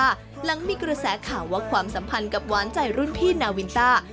หลังมีกระแสข่าวว่าความสัมพันธ์กับหวานใจรุ่นพี่นาวินต้า